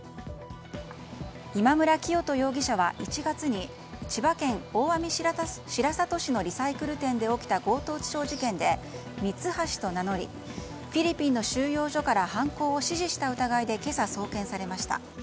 今村磨人容疑者は１月に千葉県大網白里市のリサイクル店で起きた強盗致傷事件でミツハシと名乗りフィリピンの収容所から犯行を指示した疑いで今朝、送検されました。